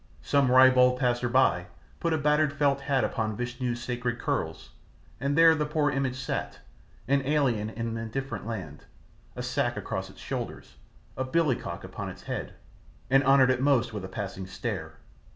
Some ribald passer by put a battered felt hat upon Vishnu's sacred curls, and there the poor image sat, an alien in an indifferent land, a sack across its shoulders, a "billycock" upon its head, and honoured at most with a passing stare.